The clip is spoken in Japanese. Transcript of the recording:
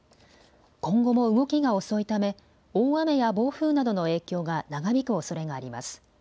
今後も動きが遅いため大雨や暴風などの影響が長引くおそれがあります。